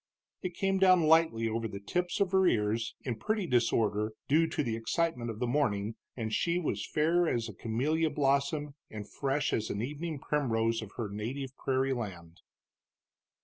It came down lightly over the tips of her ears in pretty disorder, due to the excitement of the morning, and she was fair as a camelia blossom and fresh as an evening primrose of her native prairie land.